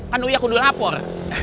kan uyaku udah lapor